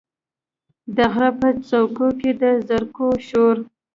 د غره په څوکو کې، د زرکو شور،